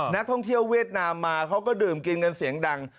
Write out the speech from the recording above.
นักท่องเที่ยวเวียดนามมาเขาก็ดื่มกินกันเสียงดัง